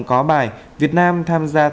có bài việt nam tham gia